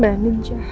siapa yang salah